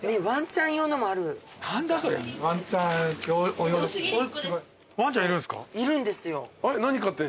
ワンちゃんいるんすか？